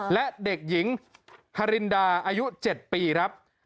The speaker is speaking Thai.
และเด็กหญิงฮารินดาอายุ๗ปีครับ